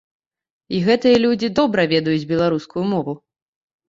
І гэтыя людзі добра ведаюць беларускую мову.